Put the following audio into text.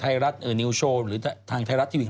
ไทยรัฐนิวโชว์หรือทางไทยรัฐทีวี